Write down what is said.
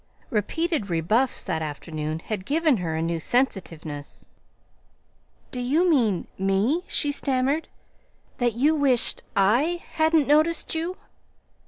Repeated rebuffs that afternoon had given her a new sensitiveness. "Do you mean me?" she stammered. "That you wished I hadn't noticed you?"